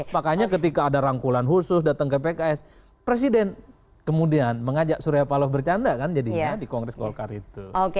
makanya ketika ada rangkulan khusus datang ke pks presiden kemudian mengajak surya paloh bercanda kan jadinya di kongres golkar itu